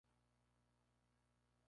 Es nativo de Angola y Namibia.